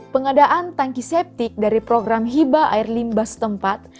pengadaan tanki septic dari program hiba air limba setempat